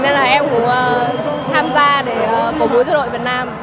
nên là em cũng tham gia để cổ vũ cho đội việt nam